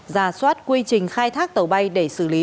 ra soát quy trình khai thác tàu bay để xử lý